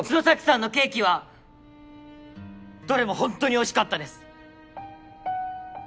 角崎さんのケーキはどれも本当においしかったです。